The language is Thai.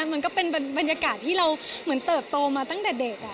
มันก็เป็นบรรยากาศที่เราเหมือนเติบโตมาตั้งแต่เด็ก